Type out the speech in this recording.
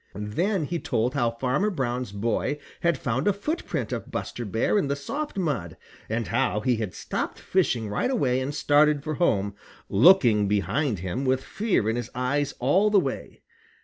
Then he told how Farmer Brown's boy had found a footprint of Buster Bear in the soft mud, and how he had stopped fishing right away and started for home, looking behind him with fear in his eyes all the way.